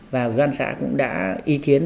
và ủy ban xã cũng đã ý kiến